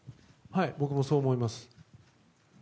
僕もそう思います。